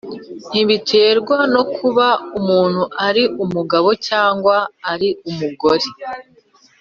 Ntibiterwa no kuba umuntu ari umugabo cyangwa ari umugore